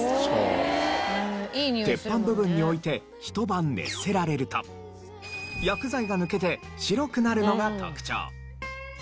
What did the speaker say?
鉄板部分に置いてひと晩熱せられると薬剤が抜けて白くなるのが特徴。